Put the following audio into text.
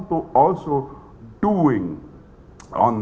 tapi kami juga ingin melakukan